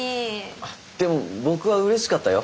あっでも僕はうれしかったよ。